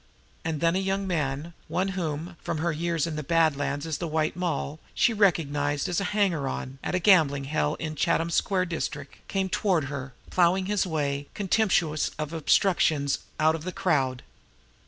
And then a young man, one whom, from her years in the Bad Lands as the White Moll, she recognized as a hanger on at a gambling hell in the Chatham Square district, came toward her, plowing his way, contemptuous of obstructions, out of the crowd.